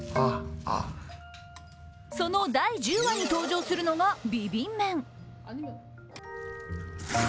その第１０話に登場するのがビビン麺。